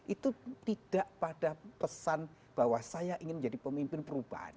itu tidak pada pesan bahwa saya ingin menjadi pemimpin perubahan